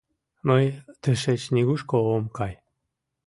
— Мый тышеч нигушко ом кай.